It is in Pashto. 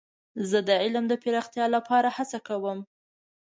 زه د علم د پراختیا لپاره هڅه کوم.